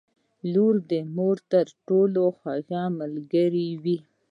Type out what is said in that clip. • لور د مور تر ټولو خوږه ملګرې وي.